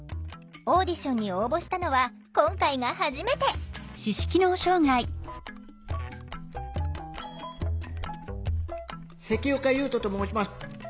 オーディションに応募したのは今回が初めて関岡勇人と申します。